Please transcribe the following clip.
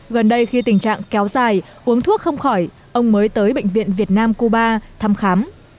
gần đây khi tình trạng kéo dài uống thuốc không khỏi ông mới tới bệnh viện việt nam cuba thăm khám